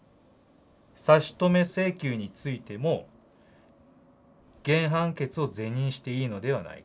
「差止請求についても原判決を是認していいのではないか」。